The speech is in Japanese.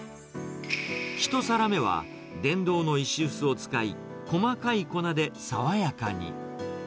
１皿目は、電動の石臼を使い、細かい粉で爽やかに。